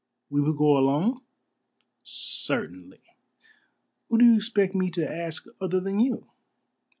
"We will go alone?" "Certainly. Who do you expect me to ask other than you?"